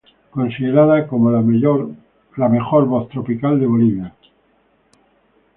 Considerada como la mejor voz tropical de Bolivia.